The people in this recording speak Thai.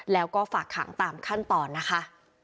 แล้วก็ฝากขังตามขั้นตอนนะคะ